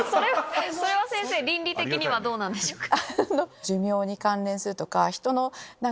それは先生倫理的にはどうなんでしょうか？